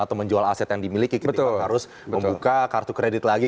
karena mereka sudah dimiliki ketika harus membuka kartu kredit lagi